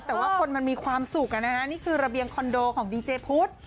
แต่ว่าคนมันมีความสุขนี่คือระเบียงคอนโดของดีเจพุทธ